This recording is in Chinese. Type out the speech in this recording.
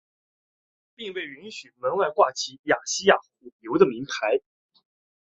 并被允许于门外挂起亚细亚火油的铭牌。